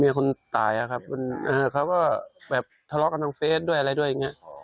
คนตายอะครับเขาก็แบบทะเลาะกันทางเฟสด้วยอะไรด้วยอย่างเงี้ย